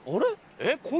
えっ？